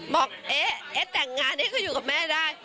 บอกเอ๊ะเอ๊ะแต่งงานเอ๊ก็อยู่กับแม่ได้